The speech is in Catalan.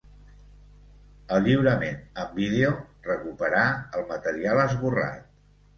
El lliurament en vídeo recuperà el material esborrat.